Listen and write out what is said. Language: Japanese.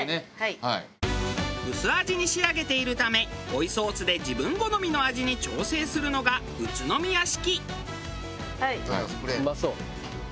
薄味に仕上げているため追いソースで自分好みの味に調整するのが宇都宮式。